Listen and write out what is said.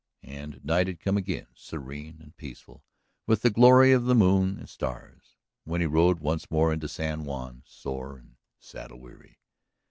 And night had come again, serene and peaceful with the glory of the moon and stars, when he rode once more into San Juan, sore and saddle weary.